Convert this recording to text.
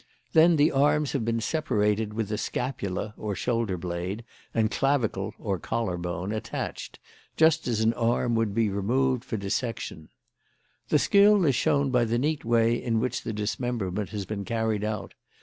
Then the arms have been separated with the scapula (or shoulder blade) and clavicle (or collar bone) attached, just as an arm would be removed for dissection. "The skill is shown by the neat way in which the dismemberment has been carried out.